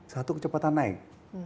satu kecepatan naik